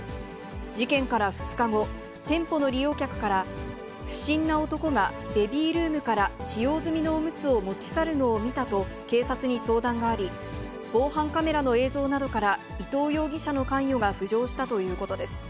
事件から２日後、店舗の利用客から、不審な男がベビールームから使用済みのおむつを持ち去るのを見たと、警察に相談があり、防犯カメラの映像などから伊藤容疑者の関与が浮上したということです。